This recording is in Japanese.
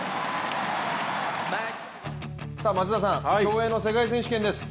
松田さん、競泳の世界選手権です。